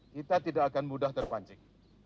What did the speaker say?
kita tidak akan mudah terpancing